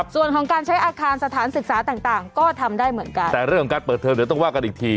ส่วนของการใช้อาคารสถานศึกษาต่างต่างก็ทำได้เหมือนกันแต่เรื่องของการเปิดเทอมเดี๋ยวต้องว่ากันอีกที